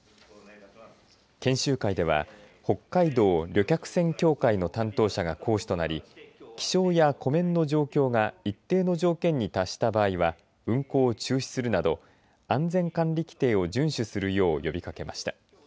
研修会では北海道旅客船協会の担当者が講師となり気象や湖面の状況が一定の条件に達した場合は運航を中止するなど安全管理規程を順守するよう呼びかけました。